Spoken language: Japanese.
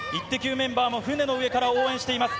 メンバーも船の上から応援しています。